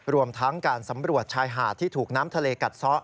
รวมทั้งการสำรวจชายหาดที่ถูกน้ำทะเลกัดซ้อ